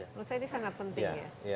menurut saya ini sangat penting ya